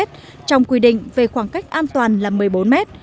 trong quy định về khoảng cách an toàn là một mươi bốn mét